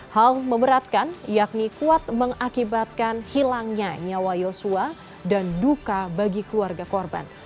hal memberatkan yakni kuat mengakibatkan hilangnya nyawa yosua dan duka bagi keluarga korban